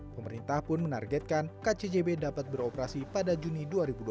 pemerintah pun menargetkan kcjb dapat beroperasi pada juni dua ribu dua puluh